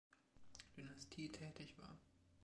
Dynastie tätig war.